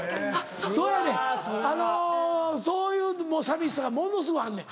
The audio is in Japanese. そうやねんあのそういう寂しさがものすごいあんねん。